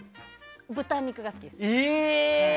豚肉が好きです。